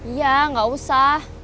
iya gak usah